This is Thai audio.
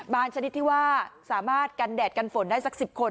ชนิดที่ว่าสามารถกันแดดกันฝนได้สัก๑๐คน